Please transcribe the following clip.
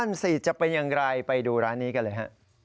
สิจะเป็นอย่างไรไปดูร้านนี้กันเลยฮะ